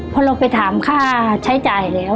พอเราไปถามค่าใช้จ่ายแล้ว